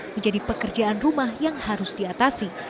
menjadi pekerjaan rumah yang harus diatasi